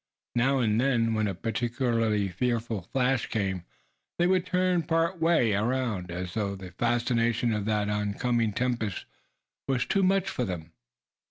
Now and then, when a particularly fearful flash came they would turn part way around, as if the fascination of that on coming tempest were too much for them.